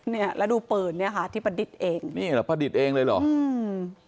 เนี้ยแล้วดูปืนเนี้ยค่ะที่ประดิษฐ์เองนี่เหรอประดิษฐ์เองเลยเหรออืม